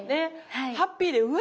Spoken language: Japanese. ハッピーでうわ